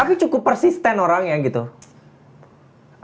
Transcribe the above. gak ada yang ngotot